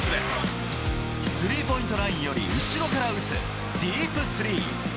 スリーポイントラインより後ろから打つ、ディープスリー。